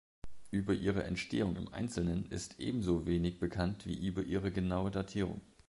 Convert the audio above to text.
Über ihre Entstehung im Einzelnen ist ebenso wenig bekannt wie über ihre genaue Datierung.